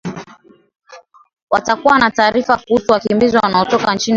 watakuwa na taarifa kuhusu wakimbizi ambao wanatoka nchi jirani